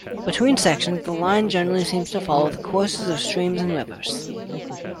Between sections, the line generally seems to follow the courses of streams and rivers.